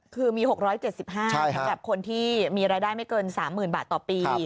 คือมี๖๗๕สำหรับคนที่มีรายได้ไม่เกิน๓๐๐๐บาทต่อปี